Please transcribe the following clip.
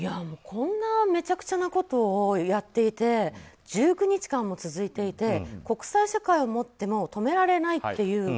こんなめちゃくちゃなことをやっていて１９日間も続いていて国際社会を持っても止められないっていう